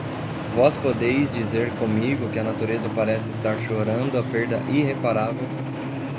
vós podeis dizer comigo que a natureza parece estar chorando a perda irreparável